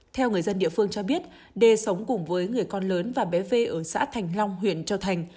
theo người dân địa phương cho biết đê sống cùng với người con lớn và bé vê ở xã thành long huyện châu thành